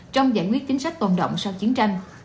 trong giải quyết chính sách tồn động sau chiến tranh